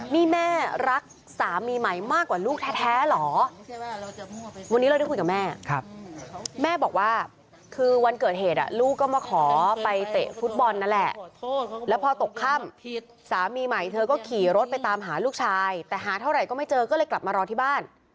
นี่แม่รักสามีใหม่มากกว่าลูกแท้เหรอวันนี้เราได้คุยกับแม่แม่บอกว่าคือวันเกิดเหตุลูกก็มาขอไปเตะฟุตบอลนั่นแหละแล้วพอตกค่ำสามีใหม่เธอก็ขี่รถไปตามหาลูกชายแต่หาเท่าไหร่ก็ไม่เจอก็เลยกลับมารอที่บ้าน